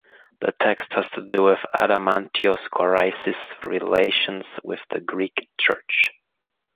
The text has to do with Adamantios Korais's relations with the Greek Church.